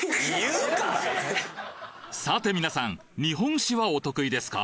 さて皆さん日本史はお得意ですか？